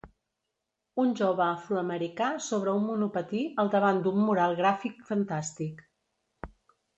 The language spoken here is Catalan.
Un jove afroamericà sobre un monopatí al davant d'un mural gràfic fantàstic.